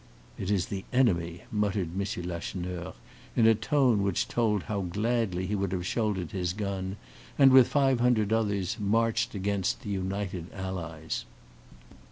"It is the enemy," muttered M. Lacheneur, in a tone which told how gladly he would have shouldered his gun, and, with five hundred others, marched against the united allies.